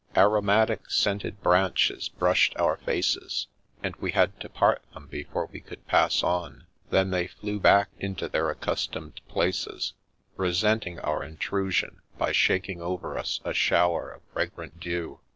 Aromatic scented branches brushed our faces, and we had to part them before we could pass on. Then they flew back into their accustomed places, resent ing our intrusion by shaking over us a shower of fragrant dew.